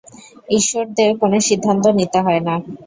ঈশ্বরদের কোনো সিদ্ধান্ত নিতে হয় না।